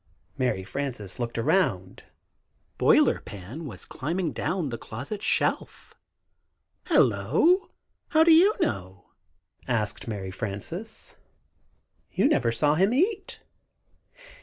"] Mary Frances looked around. Boiler Pan was climbing down from the closet shelf. "Hello! How do you know?" asked Mary Frances. "You never saw him eat."